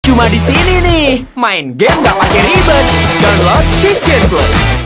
cuma disini nih main game gak pake ribet download kitchen club